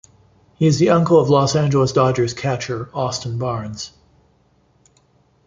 He is the uncle of Los Angeles Dodgers catcher Austin Barnes.